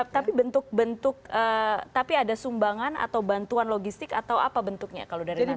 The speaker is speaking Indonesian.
tapi bentuk bentuk tapi ada sumbangan atau bantuan logistik atau apa bentuknya kalau dari